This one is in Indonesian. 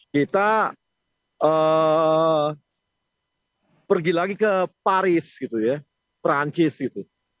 kita pergi lagi ke paris gitu ya perancis gitu